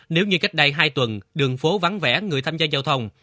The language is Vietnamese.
nếu như cách đây hai tuần đường phố vắng vẻ người tham gia giao thông